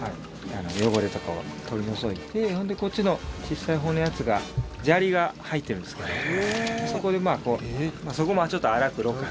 汚れとかを取り除いてほんでこっちの小さい方のやつが砂利が入ってるんですけどそこでこうそこもちょっと荒くろ過して。